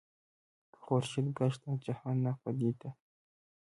که خورشید گشت از جهان ناپدید